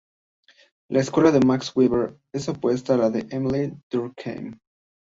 La escuela de Max Weber es opuesta a la de Émile Durkheim.